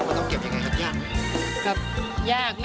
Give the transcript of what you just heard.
โปรตต้องเก็บอย่างไรครับยาก